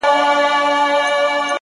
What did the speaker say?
• نه د بل په عقل پوهه کومکونو ,